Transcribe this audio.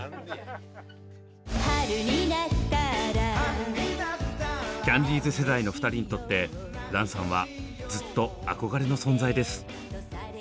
「春になったら」キャンディーズ世代の２人にとって蘭さんはずっと憧れの存在です。